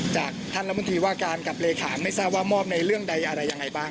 จากท่านรัฐมนตรีว่าการกับเลขาไม่ทราบว่ามอบในเรื่องใดอะไรยังไงบ้าง